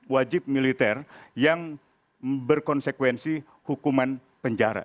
wajib militer yang berkonsekuensi hukuman penjara